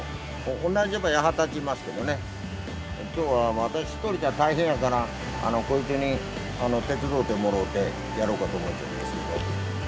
同じ矢幡っていいますけどね今日は私一人じゃ大変やからコイツに手伝うてもろうてやろうかと思ってますけど。